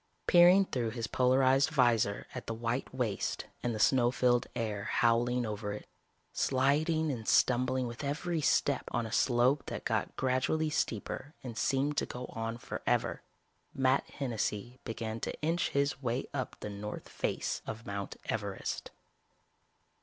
Peering through his polarized vizor at the white waste and the snow filled air howling over it, sliding and stumbling with every step on a slope that got gradually steeper and seemed to go on forever, Matt Hennessy began to inch his way up the north face of Mount Everest.